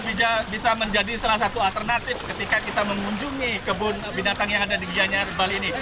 bija bisa menjadi salah satu alternatif ketika kita mengunjungi kebun binatang yang ada di gianyar bali ini